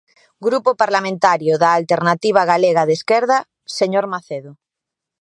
Grupo Parlamentario da Alternativa Galega de Esquerda, señor Macedo.